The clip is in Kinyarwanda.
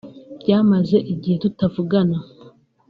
Byamaze igihe tutavugana